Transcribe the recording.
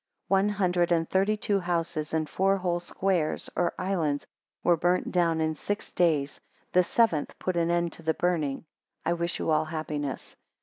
8 One hundred and thirty two houses, and four whole squares (or islands) were burnt down in six days: the seventh put an end to the burning. I wish you all happiness.